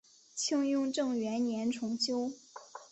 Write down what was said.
清雍正元年重修。